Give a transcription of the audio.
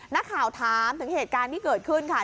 นักข่าวถามถึงเหตุการณ์ที่เกิดขึ้นค่ะ